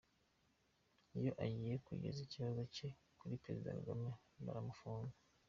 Iyo agiye kugeza ikibazo cye kuri Perezida Kagame baramufunga.